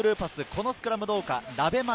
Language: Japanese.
このスクラムはどうか？